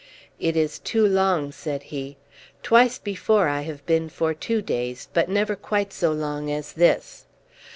"It is too long," said he. "Twice before I have been for two days, but never quite so long as this.